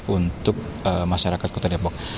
untuk masyarakat kota depok